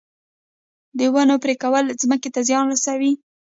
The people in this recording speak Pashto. د ونو پرې کول ځمکې ته زیان رسوي